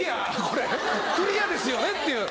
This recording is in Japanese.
これクリアですよねっていう。